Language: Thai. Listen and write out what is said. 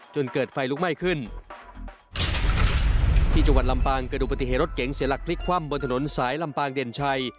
จนเกิดไฟลุกไหม้ขึ้นที่จังหวัดลำปางเกิดดูปฏิเหตุรถเก๋งเสียหลักพลิกคว่ำบนถนนสายลำปางเด่นชัย